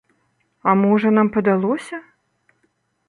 А можа, нам падалося?